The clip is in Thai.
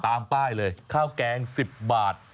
ตามป้ายเลยข้าวแกง๑๐บาท